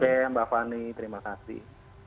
oke mbak fani terima kasih